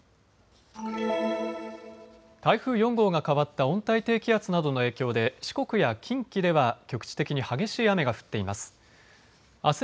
台風４号が変わった温帯低気圧などの影響で四国や近畿では局地的に激しい雨が降っています。